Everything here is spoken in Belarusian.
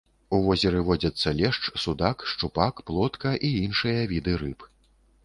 У возеры водзяцца лешч, судак, шчупак, плотка і іншыя віды рыб.